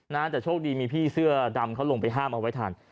นะแต่โชคดีมีพี่เสื้อดำเขาลงไปห้ามเอาไว้ทัน